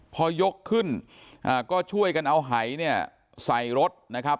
พอยกขึ้นก็ช่วยกันเอาหายเนี่ยใส่รถนะครับ